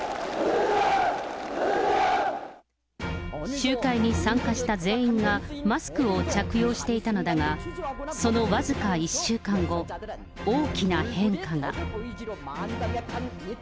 集会に参加した全員がマスクを着用していたのだが、その僅か１週間後、大きな変化が。